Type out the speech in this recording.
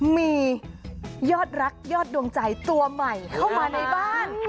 มียอดรักยอดดวงใจตัวใหม่เข้ามาในบ้าน